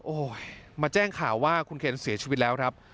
โอ้โหมาแจ้งข่าวว่าคุณเคนเสียชีวิตแล้วครับ